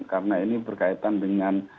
karena ini berkaitan dengan